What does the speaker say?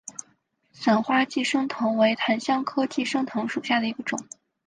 伞花寄生藤为檀香科寄生藤属下的一个种。